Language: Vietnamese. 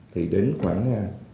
thì đến khoảng